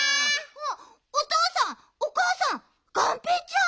おとうさんおかあさんがんぺーちゃん。